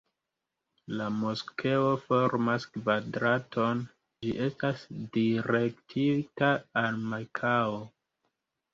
La moskeo formas kvadraton kaj ĝi estas direktita al Mekao.